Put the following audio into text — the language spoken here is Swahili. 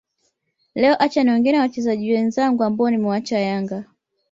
Leo acha niongee na wachezaji wenzangu ambao nimewaacha Yanga